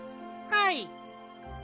はい？